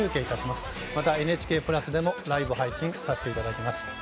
またＮＨＫプラスでもライブ配信させていただきます。